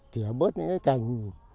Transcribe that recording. tỉa bớt những cái cành